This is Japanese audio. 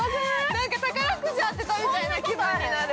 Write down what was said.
◆なんか宝くじ当てたみたいな気分になる。